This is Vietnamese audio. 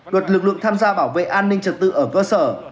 luật lực lượng tham gia bảo vệ an ninh trật tự ở cơ sở